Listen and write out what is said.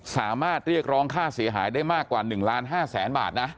สามารถเรียกร้องค่าเสียหายได้มากกว่า๑ล้าน๕แสนบาทนะ